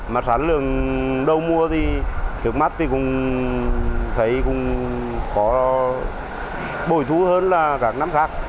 mặt sản lượng đầu mùa thì trước mắt thì cũng thấy cũng có bồi thú hơn là các năm khác